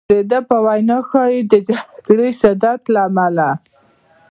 د ده په وینا ښایي د جګړې شدت له امله.